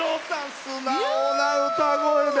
素直な歌声で。